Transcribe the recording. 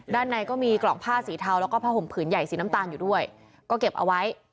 ด้านในก็มีกล่องผ้าสีเทาแล้วก็ผ้าห่มผืนใหญ่สีน้ำตาลอยู่ด้วยก็เก็บเอาไว้